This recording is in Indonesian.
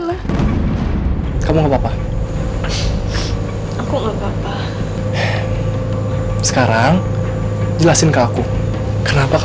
aku gak tau istrinya kemana